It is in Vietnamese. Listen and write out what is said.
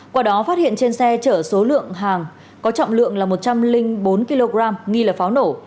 qua đó phát hiện trên xe chở số lượng hàng có trọng lượng là một trăm linh bốn kg nghi là pháo nổ